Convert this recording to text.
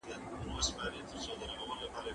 هغه وويل چي تجربې کول مهم دي.